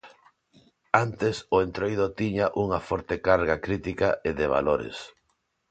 Antes o Entroido tiña unha forte carga crítica e de valores.